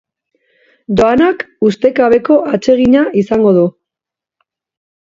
Joanak ustekabeko atsegina izango du.